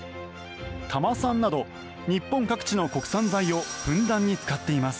多摩産など日本各地の国産材をふんだんに使っています。